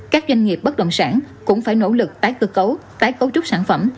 các doanh nghiệp bất động sản cũng phải nỗ lực tái cơ cấu tái cấu trúc sản phẩm